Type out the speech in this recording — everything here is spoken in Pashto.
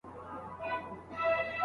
موږ باید په هر څه کي علمي واوسو.